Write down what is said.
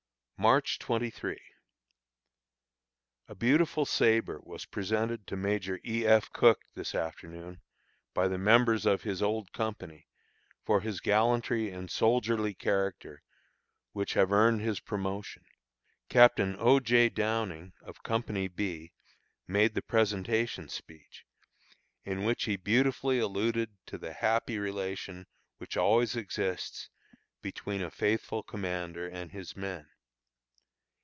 March 23. A beautiful sabre was presented to Major E. F. Cooke this afternoon, by the members of his old company, for his gallantry and soldierly character, which have earned his promotion. Captain O. J. Downing, of company B, made the presentation speech, in which he beautifully alluded to the happy relation which always exists between a faithful commander and his men.